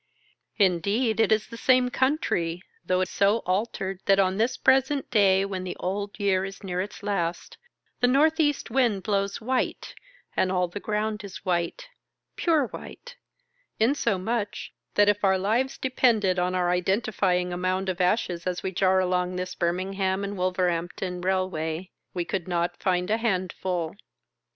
Indeed ft is the same country, though so altered that on this present day when the old year is near its last, the North East wind blows white, and all the ground is white — pure white — inso much that if our lives depended on our iden tifj'ing a mound of ashes as we jar along this Birmingham and Wolverhampton Railway, we could not find a handful.